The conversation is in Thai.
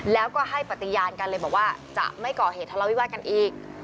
แล้วก็ให้ปฏิญาณกันเลยบอกว่าจะไม่ก่อเหตุทะเลาวิวาสกันอีก